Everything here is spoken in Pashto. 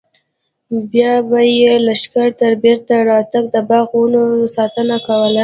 بیا به یې د لښکر تر بېرته راتګ د باغ د ونو ساتنه کوله.